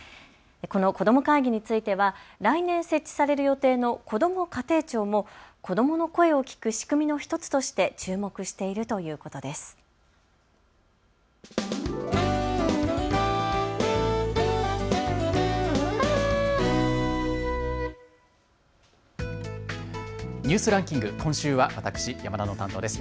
この子ども会議については来年設置される予定のこども家庭庁も子どもの声を聴く仕組みの１つとして注目しているということですです。